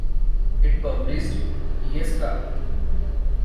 It published "Yesca".